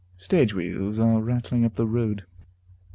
Stage wheels are rattling up the road.